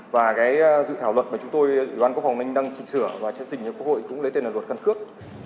và cái dự thảo luật mà chúng tôi ủy ban quốc phòng ninh đang chỉnh sửa và chấp nhận cho quốc hội cũng lấy tên là luật căn cước